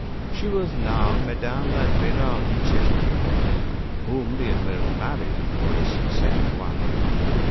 She was now Madame l'Admirale de Chastillon, whom the Admiral married for his second wife.